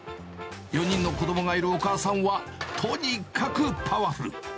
４人の子どもがいるお母さんは、とにかくパワフル。